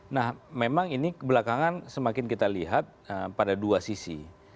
nah memang ini belakangan semakin kita lihat pada dua sisi